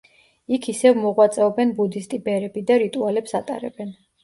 იქ ისევ მოღვაწეობენ ბუდისტი ბერები და რიტუალებს ატარებენ.